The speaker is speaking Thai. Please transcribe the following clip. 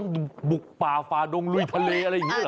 วันนี้ต้องบุกป่าฟาดงลุยทะเลอะไรอย่างนี้เหรอวะ